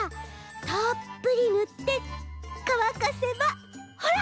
たっぷりぬってかわかせばほら！